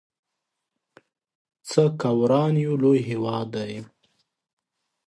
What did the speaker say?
څه که وران يو لوی هيواد دی